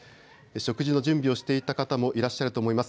食事の準備をしていた方もいらっしゃると思います。